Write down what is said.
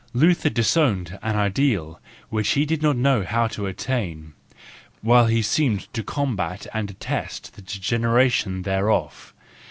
Luther disowned an ideal which he did not know how to attain, while he seemed to combat and detest the degenera¬ tion thereof.